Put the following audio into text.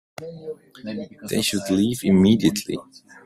They should leave immediately.